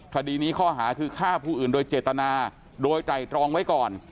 คดีนี้ข้อหาคือฆ่าผู้อื่นโดยเจตนาโดยไตรตรองไว้ก่อน